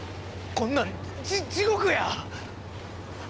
こんなんじっ地獄や。